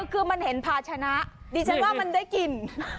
คือมันเห็นภาชนะดิฉันว่ามันได้กลิ่น